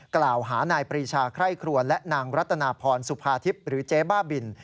กล่าวหานายปรีชาไคร่ครัวและนางรัตนาพรสุภาทิพย์หรือเจ๊บ้าบิน